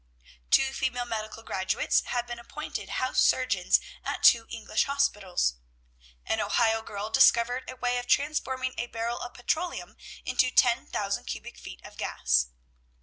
"'Two female medical graduates have been appointed house surgeons at two English hospitals.' "'An Ohio girl discovered a way of transforming a barrel of petroleum into ten thousand cubic feet of gas.'